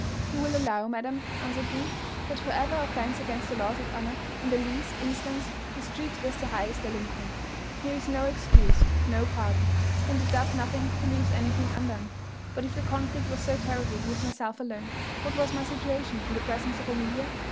"You will allow, madam," answered Booth, "that whoever offends against the laws of honour in the least instance is treated as the highest delinquent. Here is no excuse, no pardon; and he doth nothing who leaves anything undone. But if the conflict was so terrible with myself alone, what was my situation in the presence of Amelia?